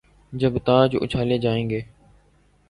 جب تاج اچھالے جائیں گے۔